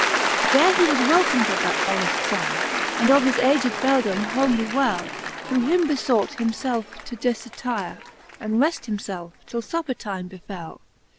XVII. There he was welcom'd of that honeft fyre. And of his aged Beldame homely well ; Who him befought himfelfe to difattyre, And refte himfelfe, till fupper time befell.